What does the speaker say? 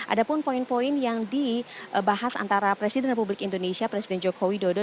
ada pun poin poin yang dibahas antara presiden republik indonesia presiden joko widodo